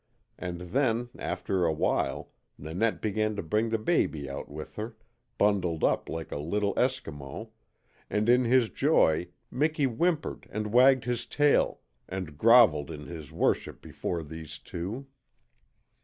And then, after a little, Nanette began to bring the baby out with her, bundled up like a little Eskimo, and in his joy Miki whimpered and wagged his tail and grovelled in his worship before these two.